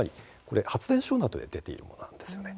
発電所などで出ているものなんです。